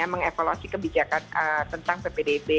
mengevaluasi kebijakan tentang ppdb